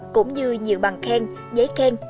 cũng như nhiều bằng khen giấy khen